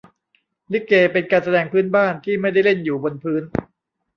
ลิเก เป็นการแสดงพื้นบ้าน ที่ไม่ได้เล่นอยู่บนพื้น